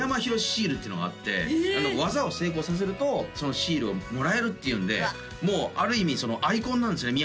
シールっていうのがあって技を成功させるとそのシールをもらえるっていうんでもうある意味アイコンなんですよね